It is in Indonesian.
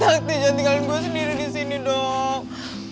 sakti jangan tinggalkan gue sendiri di sini dong